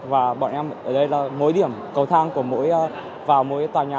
và bọn em ở đây là mối điểm cầu thang của mỗi tòa nhà